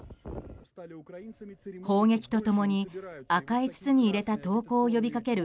砲撃と共に、赤い筒に入れた投降を呼びかける